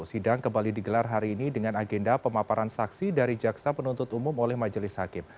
sidang kembali digelar hari ini dengan agenda pemaparan saksi dari jaksa penuntut umum oleh majelis hakim